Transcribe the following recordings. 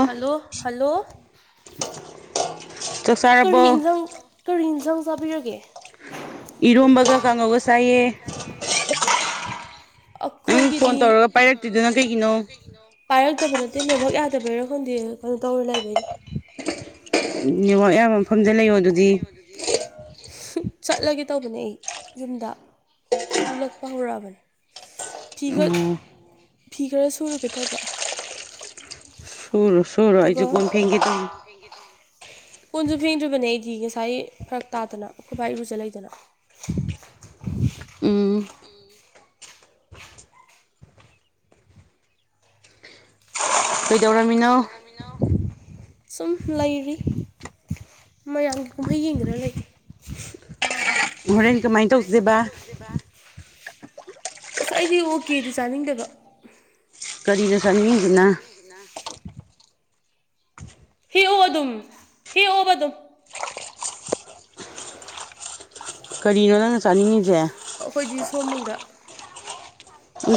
ꯑꯥ hello hello [inaudible] ꯀꯔꯤ ꯏꯟꯖꯥꯡ ꯀꯔꯤ ꯏꯟꯖꯥꯡ ꯆꯥꯕꯤꯔꯒꯦ ꯏꯔꯣꯝꯕꯒ ꯀꯥꯡꯉꯧꯒ ꯆꯥꯏꯌꯦ [unintelligible] ꯅꯪ ꯐꯣꯟ ꯑꯩꯈꯣꯏꯒꯤꯗꯤ ꯇꯧꯔꯒ ꯄꯥꯏꯔꯛꯇ꯭ꯔꯤꯗꯨꯅ ꯀꯩꯒꯤꯅꯣ ꯄꯥꯏꯔꯛꯇꯕ ꯅꯠꯇꯦ ꯅꯦꯠꯋꯛ ꯌꯥꯗꯕꯩꯔ ꯈꯪꯗꯦ ꯀꯩꯅꯣ ꯇꯧꯔ ꯂꯩꯕꯩꯅꯦ ꯅꯦꯋꯥꯛ ꯌꯥꯕꯝ ꯅꯦꯋꯛ ꯌꯥꯕ ꯃꯐꯝꯗ ꯂꯩꯌꯣꯗꯨꯗꯤ [unintelligible] ꯆꯠꯂꯒꯦ ꯇꯧꯕꯅꯦ ꯑꯩ ꯌꯨꯝꯗ ꯊꯣꯛꯂꯛꯄ ꯍꯧꯔꯑꯥꯕꯅꯤ ꯐꯤ ꯈꯔ ꯑꯣ ꯐꯤ ꯈꯔ ꯁꯨꯔꯨꯒꯦ ꯇꯧꯕ ꯁꯨꯔꯨꯔꯣ ꯁꯨꯔꯨꯔꯣ ꯑꯩꯖꯨ ꯀꯣꯟ ꯐꯦꯡꯒꯦ ꯇꯧꯔꯤ ꯐꯦꯡꯒꯦ ꯇꯧꯔꯤ ꯀꯣꯟꯁꯨ ꯐꯦꯡꯗ꯭ꯔꯤꯕꯅꯦ ꯑꯩꯗꯤ ꯉꯁꯥꯏ ꯐꯔꯛ ꯇꯥꯗꯅ ꯑꯩꯈꯣꯏꯕꯥ ꯏꯔꯨꯖꯥ ꯂꯩꯗꯅ ꯎꯝ ꯀꯩꯗꯧꯔꯝꯃꯤꯅꯣ ꯃꯤꯅꯣ ꯁꯨꯝ ꯂꯩꯔꯤ ꯃꯌꯥꯝꯒꯤ ꯀꯨꯝꯍꯩ ꯌꯦꯡꯗꯅ ꯂꯩ ꯍꯣꯔꯦꯟ ꯀꯃꯥꯏꯅ ꯇꯧ ꯀꯃꯥꯏꯟ ꯇꯧꯁꯦꯕ ꯑꯁ ꯑꯩꯗꯤ ꯑꯣ ꯀꯦꯗꯤ ꯆꯥꯅꯤꯡꯗꯦꯕ ꯀꯔꯤꯅꯣ ꯀꯔꯤꯅꯣ ꯆꯥꯅꯤꯡꯉꯤꯁꯤꯅ ꯆꯥꯅꯤꯡꯉꯤꯁꯤꯅꯥ ꯍꯦꯛ ꯑꯣ ꯑꯗꯨꯝ ꯍꯦꯛꯑꯣꯕ ꯑꯗꯨꯝ ꯀꯔꯤꯅꯣ ꯅꯪꯅ ꯆꯥꯅꯤꯡꯉꯤ ꯑꯩꯈꯣꯏꯗꯤ ꯁꯋꯣꯝꯕꯨꯡꯗ ꯎꯝ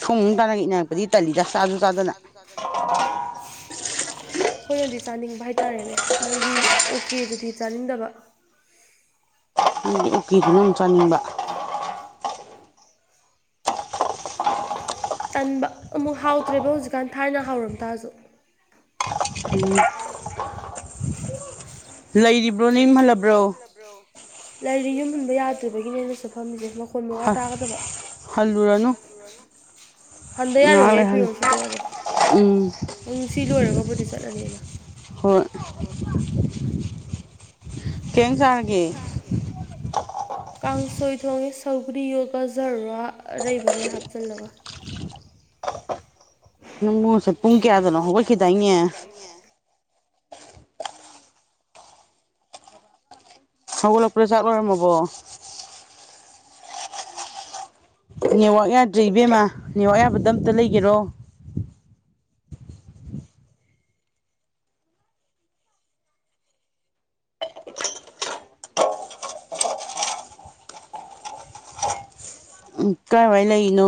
ꯁꯋꯣꯝꯕꯨꯡ ꯇ ꯅꯥ ꯏꯟꯅꯔꯛꯄꯗꯤ ꯇꯜꯂꯤꯗ ꯆꯥꯁꯨ ꯆꯥꯗꯅ [inaudible] [unintelligible] [inaudible] [unintelligible] ꯑꯩꯈꯣꯏꯅꯗꯤ ꯆꯥꯅꯤꯡꯕ ꯍꯥꯏꯇꯥꯔꯦꯅꯦ ꯅꯪꯒꯤ ꯑꯣꯀꯦꯗꯨꯗꯤ ꯆꯥꯅꯤꯡꯗꯕ [unintelligible] ꯆꯥꯅꯤꯡꯕ ꯇꯟꯕ ꯑꯃꯨꯛ ꯍꯥꯎꯇ꯭ꯔꯦꯕ ꯍꯧꯖꯤꯛꯀꯥꯟ ꯊꯥꯏꯅ ꯍꯥꯎꯔꯝ ꯇꯥꯔꯁꯨ [unintelligible] [inaudible] [unintelligible] ꯂꯩꯔꯤꯕ꯭ꯔꯣ ꯅꯌꯨꯝ ꯍꯜꯂꯕ꯭ꯔꯣ ꯂꯩꯔꯤ ꯌꯨꯝ ꯍꯟꯕ ꯌꯥꯗꯕꯒꯤꯅꯦ ꯑꯩꯅ ꯁꯤ ꯐꯝꯃꯤꯁꯦ ꯃ ꯃꯈꯣꯟ ꯃꯋꯥ ꯇꯥꯒꯗꯕ ꯍꯜꯂꯨꯔꯅꯨ ꯍꯟꯗ ꯉꯥꯏꯍꯥꯛ ꯌꯥꯔꯣꯏꯍꯦ ꯑꯩ ꯂꯩꯍꯜꯂꯣ ꯐꯤꯔꯣꯜ ꯁꯨꯗ ꯌꯥꯔꯣꯏ ꯎꯝ ꯎꯝ ꯁꯤ ꯂꯣꯏꯔꯒꯕꯨꯗꯤ ꯆꯠꯂꯅꯤꯅ ꯍꯣꯏ ꯀꯩ [unintelligible] ꯆꯥꯔꯒꯦ ꯀꯥꯡꯁꯣꯏ ꯊꯣꯡꯉꯦ ꯁꯧꯒ꯭ꯔꯤꯌꯣ ꯒꯖꯔ ꯔꯣ ꯑꯔꯩꯕꯈꯩ ꯍꯥꯞꯆꯜꯂꯒ ꯅꯪꯕꯨ ꯉꯁꯥꯏ ꯄꯨꯡ ꯀꯌꯥꯗꯅꯣ ꯍꯒꯠꯈꯤꯗꯥꯏꯅꯦ ꯍꯧꯒꯠꯂꯛꯄꯗꯥ ꯆꯥꯛ ꯂꯣꯏꯔꯝꯃꯕꯣ ꯅꯦꯠꯋꯥꯛ ꯌꯥꯗ꯭ꯔꯦ ꯏꯕꯦꯝꯃꯥ ꯅꯦꯠꯋꯥꯛ ꯌꯥꯕꯗ ꯑꯝꯇ ꯂꯩꯒꯦꯔꯣ ꯎꯝ ꯀꯥꯏꯋꯥꯥꯏ ꯂꯩꯔꯤꯅꯣ